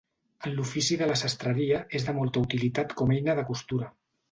En l'ofici de la sastreria és de molta utilitat com eina de costura.